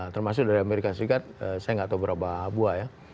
termasuk dari amerika serikat saya nggak tahu berapa buah ya